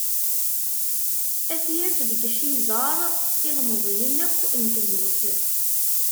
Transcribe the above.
Ad t-yaf deg Ḥiẓer, ilmeẓyen akk n tmurt.